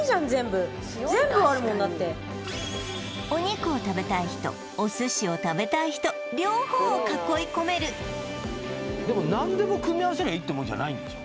ここにうんお肉を食べたい人お寿司を食べたい人両方を囲い込めるでも何でも組み合わせりゃいいってもんじゃないんでしょ？